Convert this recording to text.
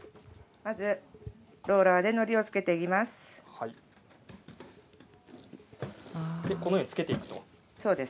ローラーでのりを付けていきます。